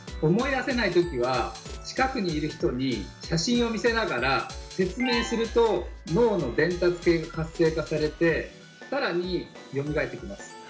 思い出せない時は近くにいる人に写真を見せながら説明すると脳の伝達系が活性化されて更によみがえってきます。